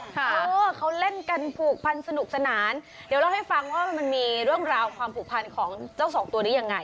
เออเขาเล่นกันผูกพันสนุกสนานเดี๋ยวเล่าให้ฟังว่ามันมีเรื่องราวความผูกพันของเจ้าสองตัวนี้ยังไง